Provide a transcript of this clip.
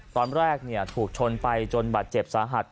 ตอนแรกถูกชนไปจนบาดเจ็บสาหัส